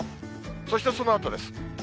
そしてそのあとです。